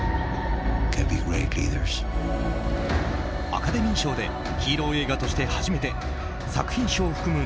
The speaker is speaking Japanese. アカデミー賞でヒーロー映画として初めて作品賞を含む